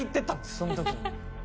その時に。